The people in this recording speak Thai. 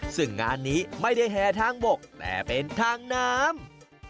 ซึ่งงานนี้ไม่ได้แห่ทางบกแต่เป็นทางน้ำ